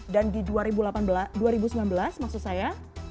dan di dua ribu sembilan belas maksud saya